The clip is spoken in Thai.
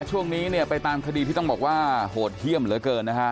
ช่วงนี้เนี่ยไปตามคดีที่ต้องบอกว่าโหดเยี่ยมเหลือเกินนะฮะ